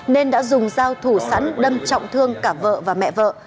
nên đã dùng dao thủ sẵn đâm trọng thương cả vợ và mẹ vợ